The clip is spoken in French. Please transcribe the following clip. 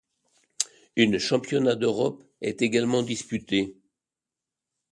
Une championnat d'Europe est également disputé.